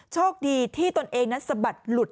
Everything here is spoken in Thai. โชคดีที่ตนเองนั้นสะบัดหลุด